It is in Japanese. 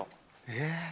ええ。